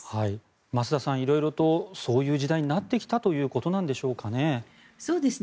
増田さん色々とそういう時代になってきたということなんでしょうかね。